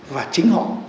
và chính họ